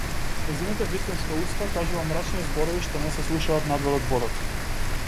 Нејзината вистинска уста кажува мрачни зборови што не се слушаат надвор од водата.